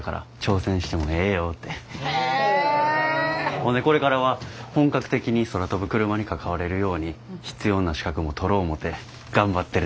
ほんでこれからは本格的に空飛ぶクルマに関われるように必要な資格も取ろ思て頑張ってるとこです。